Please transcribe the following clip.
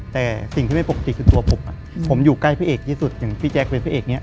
แต่สิ่งที่ไม่ปกติคือตัวผมผมอยู่ใกล้พระเอกที่สุดอย่างพี่แจ๊คเป็นพระเอกเนี่ย